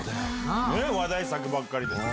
話題作ばっかりで。